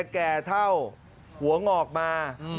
แก่เท่าหัวงอกมา